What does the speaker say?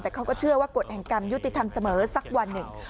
แต่เขาก็เชื่อว่ากฎแห่งกรรมยุติธรรมเสมอสักวันหนึ่ง